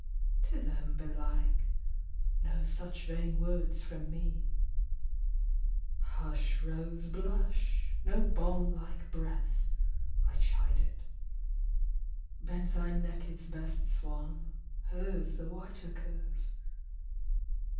to them, belike: no such vain words from me. "Hush, rose, blush! no balm like breath," I chide it: "Bend thy neck its best, swan, hers the whiter curve!"